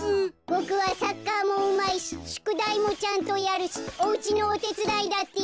ボクはサッカーもうまいししゅくだいもちゃんとやるしおうちのおてつだいだってやる。